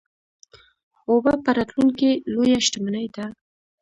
اوبه په راتلونکي کې لویه شتمني ده.